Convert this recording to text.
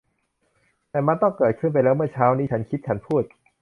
แต่มันต้องเกิดขึ้นไปแล้วเมื่อเช้านี้ ฉันคิด ฉันพูด